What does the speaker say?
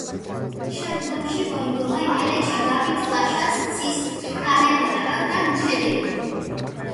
შემდგომში მოინდომა იმერეთში დავით ლაშას ძის გამეფება, მაგრამ უშედეგოდ.